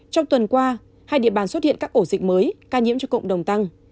trong tuần qua hai địa bàn xuất hiện các ổ dịch mới ca nhiễm cho cộng đồng tăng